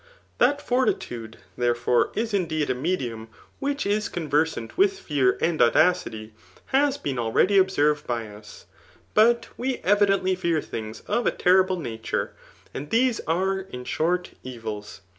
*i^ That fortitude^ therefore^ is indeed a me<fium wbibH ^conversant wkh> fe^ and audacity, has been already db* Mivtd by tis* ' But^^e evid(dnfly fear things of a terrible tamre; and these aye, in dllorr, evils.'